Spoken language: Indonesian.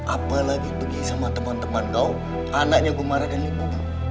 apalagi pergi sama teman teman kau anaknya gumara dan ibu